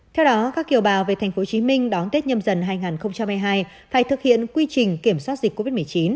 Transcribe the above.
theo đó các kiều bào về tp hcm đón tết nhâm dần hai nghìn hai mươi hai phải thực hiện quy trình kiểm soát dịch covid một mươi chín